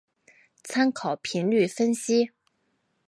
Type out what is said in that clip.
参考频率分析。